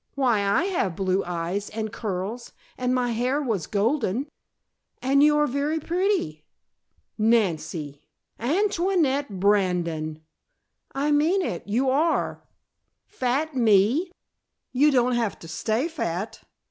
Why, I have blue eyes and curls, and my hair was golden " "And you are very pretty!" "Nancy Antoinette Brandon!" "I mean it. You are!" "Fat me!" "You don't have to stay fat!"